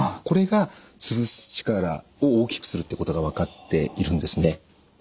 これがつぶす力を大きくするってことが分かっているんですね。